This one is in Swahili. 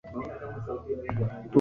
Tunda la mama.